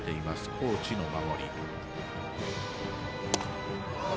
高知の守り。